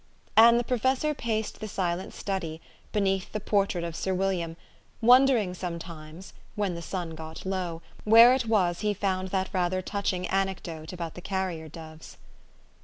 And the professor paced the silent study, beneath the portrait of Sir William, wondering sometimes, 66 THE STORY OF AVIS. when the sun got low, where it was he found that rather touching anecdote about the carrier doves.